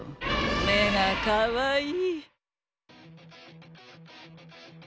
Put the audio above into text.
目がかわいい。